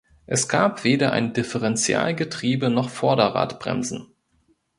Es gab weder ein Differentialgetriebe noch Vorderradbremsen.